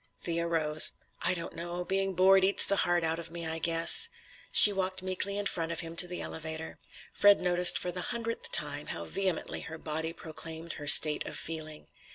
Thea rose. "I don't know. Being bored eats the heart out of me, I guess." She walked meekly in front of him to the elevator. Fred noticed for the hundredth time how vehemently her body proclaimed her state of feeling.